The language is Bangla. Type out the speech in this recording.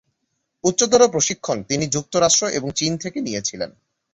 উচ্চতর প্রশিক্ষণ তিনি যুক্তরাষ্ট্র এবং চীন থেকে নিয়েছিলেন।